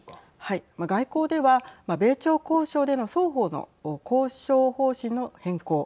外交では米朝交渉での双方の交渉方針の変更。